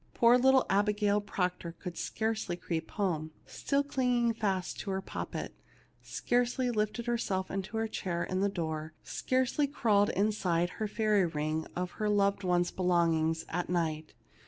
Poor little Abigail Proctor could scarcely creep home, still clinging fast to her poppet ; scarcely lift herself into her chair in the door ; scarcely crawl inside her fairy ring of her loved ones' be longings at night.